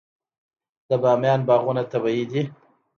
د بامیان باغونه طبیعي دي.